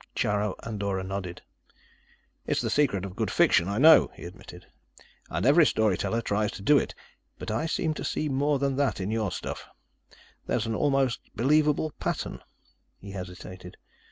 Charo Andorra nodded. "It's the secret of good fiction, I know," he admitted, "and every storyteller tries to do it. But I seem to see more than that in your stuff. There's an almost believable pattern." He hesitated.